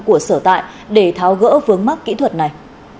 của sở tại để tháo gỡ vướng mắt kỹ thuật này